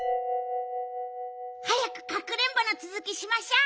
はやくかくれんぼのつづきしましょ。